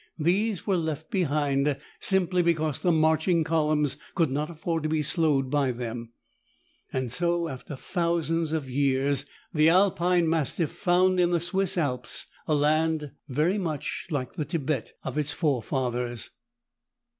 These were left behind, simply because the marching columns could not afford to be slowed by them. And so, after thousands of years, the Alpine Mastiff found in the Swiss Alps a land very like the Tibet of its forefathers.